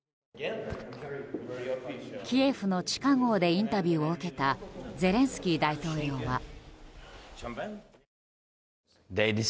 キエフの地下壕でインタビューを受けたゼレンスキー大統領は。